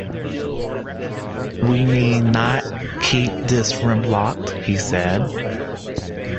"We need not keep this room locked," he said.